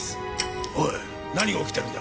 おい何が起きてるんだ？